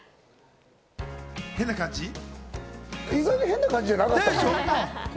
意外に変な感じじゃなかったね。